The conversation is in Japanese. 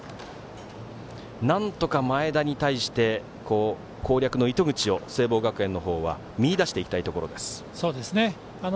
なんとか前田に対して攻略の糸口を聖望学園の方は見いだしていきたいところです。